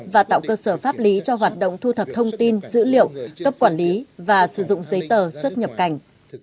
và tạo cơ sở pháp lý cho hoạt động thu thập thông tin dữ liệu cấp quản lý và sử dụng giấy tờ xuất nhập cảnh